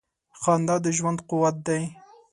• خندا د ژوند قوت دی.